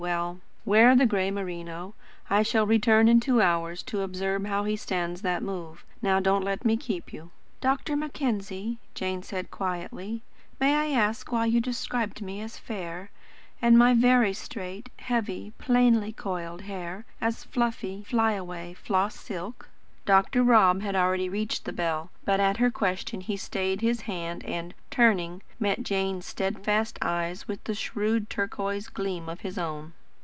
Well, wear the grey merino. I shall return in two hours to observe how he stands that move. Now, don't let me keep you." "Dr. Mackenzie," said Jane quietly, "may I ask why you described me as fair; and my very straight, heavy, plainly coiled hair, as fluffy, fly away floss silk?" Dr. Rob had already reached the bell, but at her question he stayed his hand and, turning, met Jane's steadfast eyes with the shrewd turquoise gleam of his own.